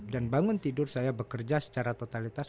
dan bangun tidur saya bekerja secara totalitas